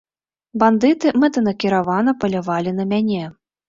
Бандыты мэтанакіравана палявалі на мяне.